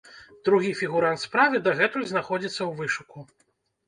Другі фігурант справы дагэтуль знаходзіцца ў вышуку.